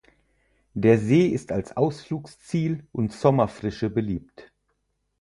Der See ist als Ausflugsziel und Sommerfrische beliebt.